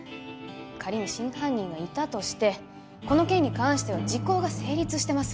仮に真犯人がいたとしてこの件に関しては時効が成立してます